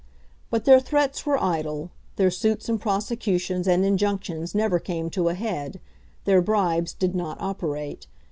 But their threats were idle; their suits, and prosecutions, and injunctions, never came to a head; their bribes did not operate.